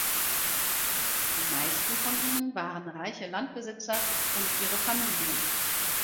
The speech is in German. Die meisten von ihnen waren reiche Landbesitzer und ihre Familien.